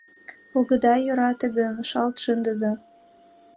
Огыда йӧрате гын, шалт шындыза